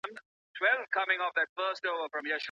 ولي هڅاند سړی د وړ کس په پرتله بریا خپلوي؟